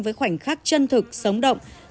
với khoảnh khắc chân thực sống động